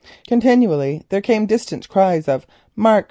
Continually there came distant cries of "_Mark!